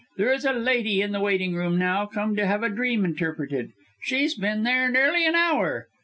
There is a lady in the waiting room now, come to have a dream interpreted. She's been there nearly an hour.